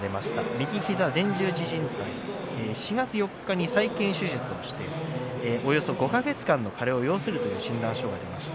右膝前十字じん帯４月４日に手術をしておよそ５か月間の加療を要するという診断書が出ました。